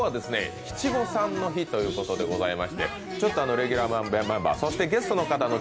七五三の日ということでございましてちょっとレギュラーのメンバーゲストの方の